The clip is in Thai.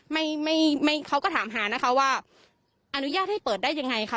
ไม่ไม่เขาก็ถามหานะคะว่าอนุญาตให้เปิดได้ยังไงค่ะ